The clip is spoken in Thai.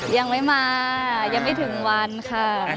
ยังไม่มายังไม่ถึงวันค่ะ